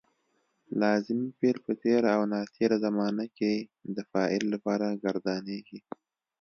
لازمي فعل په تېره او ناتېره زمانه کې د فاعل لپاره ګردانیږي.